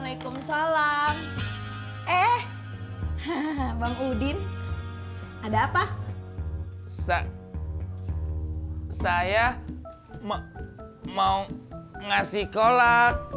iya yang ini cayeng mau badok aja